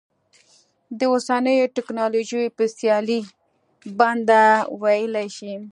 د اوسنیو ټکنالوژیو په سیالۍ بنده ویلی شي.